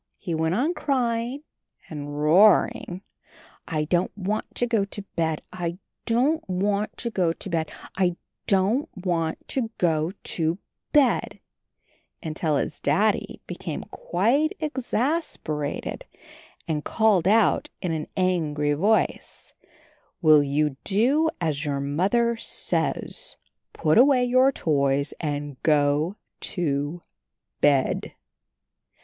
He went on crying and roaring, "I don't want to go to bed, I don't want to go to bed, I DON'T WANT TO GO TO BED," until his Daddy became quite ex as per a ted, and called out in an angry voice, "Will you do as your Mother says? Put away your toys and GO TO BED!"